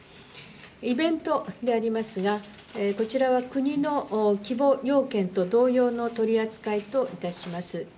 イベントでありますが、こちらは国の規模要件と同様の取り扱いといたします。